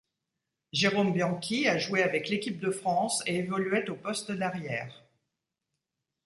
Jérôme Bianchi a joué avec l'équipe de France et évoluait au poste d'arrière.